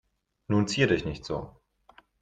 Nun zier dich nicht so.